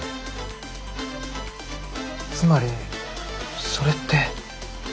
つまりそれって。